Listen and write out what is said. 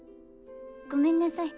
ごめんなさい。